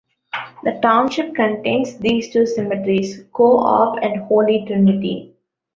The township contains these two cemeteries: Co-op and Holy Trinity.